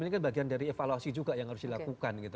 ini kan bagian dari evaluasi juga yang harus dilakukan gitu